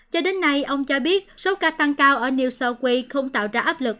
cho đến nay ông cho biết số ca tăng cao ở new south way không tạo ra áp lực